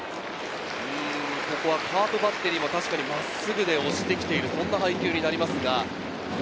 ここはカープバッテリーも確かに真っすぐで押して来ている、そんな配球になります。